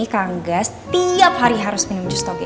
kang ngga setiap hari harus minum jus toge